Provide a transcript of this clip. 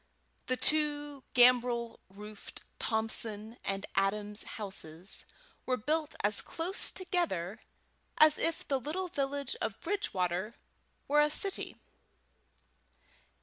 The two gambrel roofed Thompson and Adams houses were built as close together as if the little village of Bridgewater were a city.